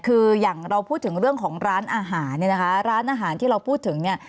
คืออย่างเราพูดถึงเรื่องของร้านอาหารเนี่ยนะคะร้านอาหารที่เราพูดถึงเนี่ย